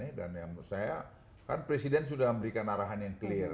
yang aneh aneh dan menurut saya kan presiden sudah memberikan arahan yang clear